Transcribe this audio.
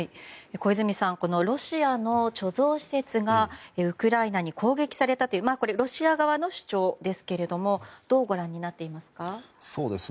小泉さんロシアの貯蔵施設がウクライナに攻撃されたというロシア側の主張ですけれどもどうご覧になっていますか。